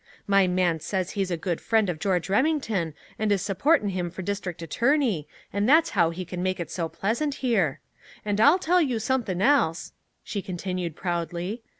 My man says he's a good friend of George Remington and is supportin' him for district attorney, and that's how he can make it so pleasant here. "And I'll tell you something else," she continued proudly.